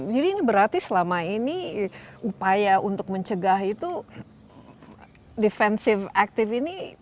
willy ini berarti selama ini upaya untuk mencegah itu defensive active ini